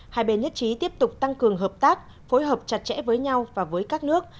hai bên nhất trí tiếp tục tăng cường hợp tác phối hợp chặt chẽ với nhau và với các nước